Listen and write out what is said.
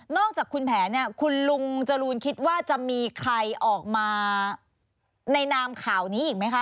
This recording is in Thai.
จากคุณแผนเนี่ยคุณลุงจรูนคิดว่าจะมีใครออกมาในนามข่าวนี้อีกไหมคะ